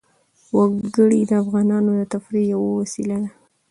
وګړي د افغانانو د تفریح یوه وسیله ده.